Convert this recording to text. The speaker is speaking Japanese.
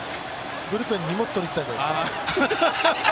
ブルペンに荷物とりにいったんじゃないですか？